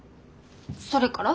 それから？